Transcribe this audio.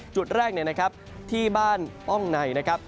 จุดแรกเนี่ยนะครับที่บ้านป้องในนะครับ